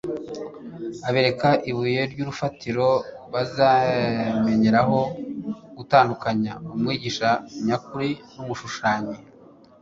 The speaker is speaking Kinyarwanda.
Abereka ibuye ry'urufatiro bazamenyeraho gutandukanya umwigisha nyakuri n'umushukanyi: